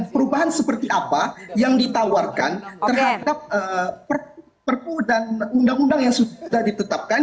perubahan seperti apa yang ditawarkan terhadap perpu dan undang undang yang sudah ditetapkan